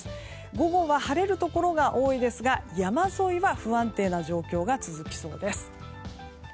午後は晴れるところが多いですが山沿いは不安定な状況が続きそうです。